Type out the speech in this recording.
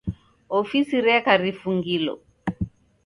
Ofisi reka rifungilo.